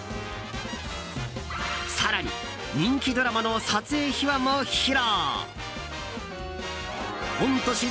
更に人気ドラマの撮影秘話も披露。